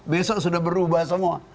besok sudah berubah semua